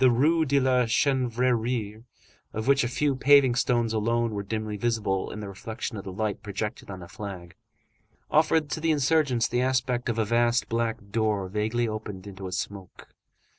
The Rue de la Chanvrerie, of which a few paving stones alone were dimly visible in the reflection of the light projected on the flag, offered to the insurgents the aspect of a vast black door vaguely opened into a smoke.